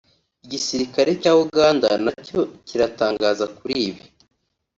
Igisirikare cya Uganda nta cyo kiratangaza kuri ibi